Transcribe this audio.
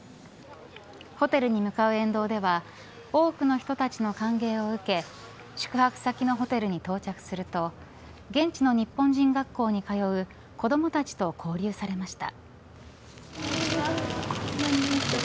ホテルに向かう沿道では多くの人たちの歓迎を受け宿泊先のホテルに到着すると現地の日本人学校に通う子どもたちと交流されました。